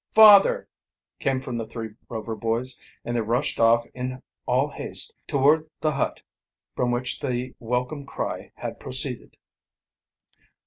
"Father!" came from the three Rover boys, and they rushed off in all haste toward the nut from which the welcome cry had proceeded.